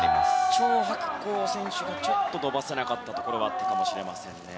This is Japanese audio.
チョウ・ハクコウ選手がちょっと伸ばせなかったところはあったかもしれませんね。